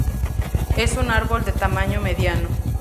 Es un árbol de tamaño mediano.